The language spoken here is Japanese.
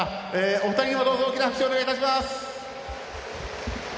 お二人にもどうぞ大きな拍手をお願いします。